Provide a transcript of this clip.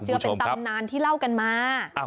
เป็นความเชื่อเป็นตำนานที่เล่ากันมา